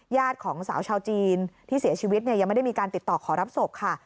ของสาวชาวจีนที่เสียชีวิตยังไม่ได้มีการติดต่อขอรับศพค่ะ